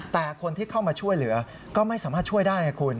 แต่คนที่เข้ามาช่วยเหลือก็ไม่สามารถช่วยได้ไงคุณ